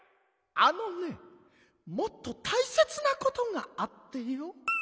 あのねもっとたいせつなことがあってよ。